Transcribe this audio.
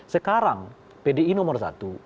sekarang pdi nomor satu